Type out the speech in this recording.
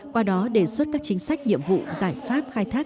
qua đó đề xuất các chính sách nhiệm vụ giải pháp khai thác